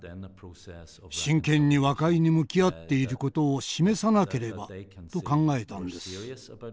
真剣に和解に向き合っていることを示さなければと考えたんです。